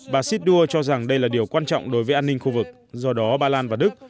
bà shidua cho rằng đây là điều quan trọng đối với an ninh khu vực do đó ba lan và đức